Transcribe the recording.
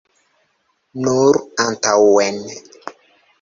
Nur antaŭen.